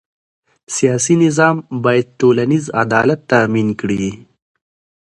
سیاسي نظام باید ټولنیز عدالت تأمین کړي